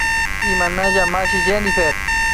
Imanalla mashi Jenyfer